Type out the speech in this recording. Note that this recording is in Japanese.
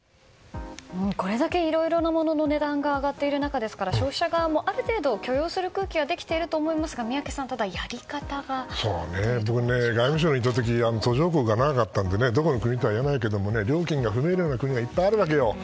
これだけいろいろなものの値段が上がっているわけですから消費者側もある程度許容する空気はできていると思いますが宮家さん、ただやり方が外務省にいた時途上国が長かったので料金が不明瞭な国がいっぱいあるんだよね。